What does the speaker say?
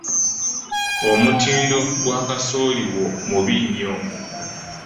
Omutindo gwa kasooli wo mubi nnyo.